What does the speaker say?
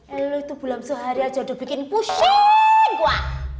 eh lu itu belum sehari aja udah bikin pusing kuah